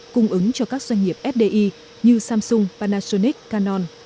cung ứng cho các doanh nghiệp fdi như samsung panasonic canon